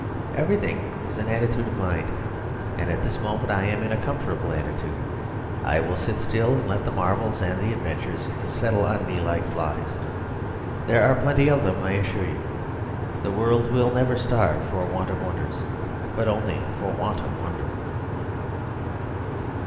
Everything is in an attitude of mind; and at this moment I am in a comfortable attitude. I will sit still and let the marvels and the adventures settle on me like flies. There are plenty of them, I assure you. The world will never starve for want of wonders; but only for want of wonder.